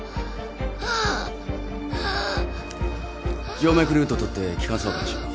静脈ルートとって気管挿管しよう。